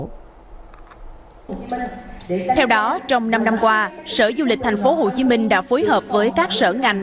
theo đó trong năm năm qua sở du lịch tp hcm đã phối hợp với các sở ngành